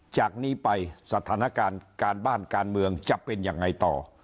จากนี้ไปสถานการณ์การบ้านการเมืองจะเป็นยังไงต่อ